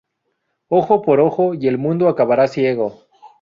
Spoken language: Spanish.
Ojo por ojo y el mundo acabará ciego